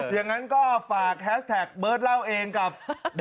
อย่างนั้นก็ฝากแฮสแท็กเบิร์ตเล่าเองกับ